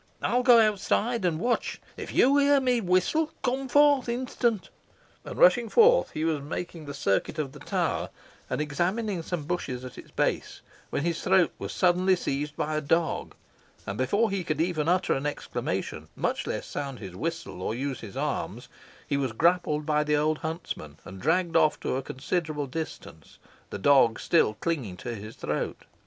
I will go outside, and watch. If you hear me whistle, come forth instantly." And, rushing forth, he was making the circuit, of the tower, and examining some bushes at its base, when his throat was suddenly seized by a dog, and before he could even utter an exclamation, much less sound his whistle, or use his arms, he was grappled by the old huntsman, and dragged off to a considerable distance, the dog still clinging to his throat.